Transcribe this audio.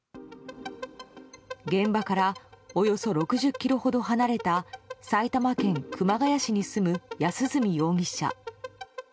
現場からおよそ６０ｋｍほど離れた埼玉県熊谷市に住む安栖容疑者。